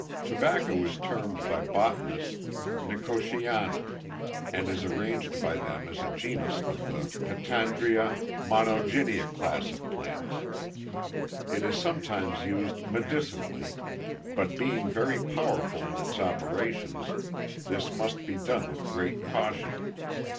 Tobacco is termed by botanists, Nicotiana; and is arranged by them as a genus of the Pentandria Monogynia class of plants. It is sometimes used medicinally; but being very powerful in its operations, this must be done with great caution.